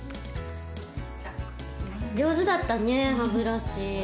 上手だったね歯ブラシ。